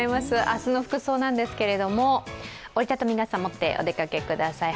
明日の服装なんですけれども、折り畳み傘を持ってお出かけください。